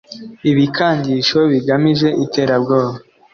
ibikangisho bigamije iterabwoba